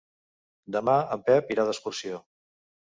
Demà en Pep irà d'excursió.